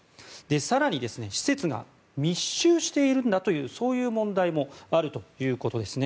更に施設が密集しているという問題もあるということですね。